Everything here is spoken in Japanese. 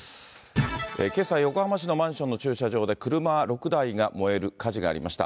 けさ、横浜市のマンションの駐車場で、車６台が燃える火事がありました。